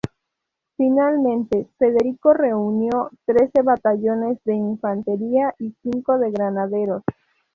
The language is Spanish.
Finalmente, Federico reunió trece batallones de infantería y cinco de granaderos.